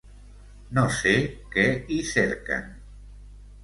No sé què hi cerquen